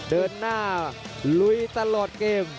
เดินหน้าลุยตลอดเกม